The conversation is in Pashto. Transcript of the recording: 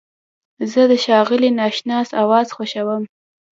زه د ښاغلي ناشناس اواز خوښوم.